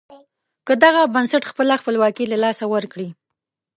که دغه بنسټ خپله خپلواکي له لاسه ورکړي.